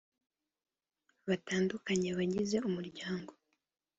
batandukanye bagize umuryango.